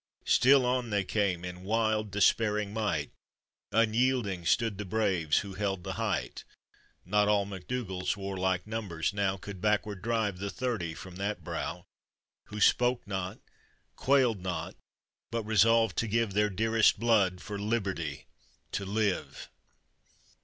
Still on they came, in wild despairing might, Unyielding stood the braves who held the height; Not all MacDougall's warlike numbers now Could backward drive the thirty from that brow, Who spoke not, quailed not, but resolved to give Their dearest blood for liberty to live.